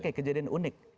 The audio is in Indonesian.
oke kejadian unik